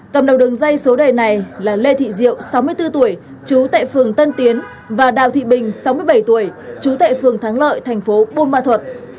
cầm đầu đường dây số đề này là lê thị diệu sáu mươi bốn tuổi chú tệ phường tân tiến và đào thị bình sáu mươi bảy tuổi chú tệ phường thắng lợi thành phố buôn ma thuột